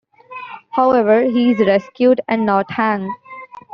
However, he is rescued and not hanged.